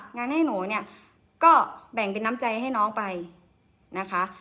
งานให้หนูเนี่ยก็แบ่งเป็นน้ำใจให้น้องไปนะคะ